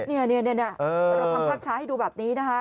เราทำภาพช้าให้ดูแบบนี้นะคะ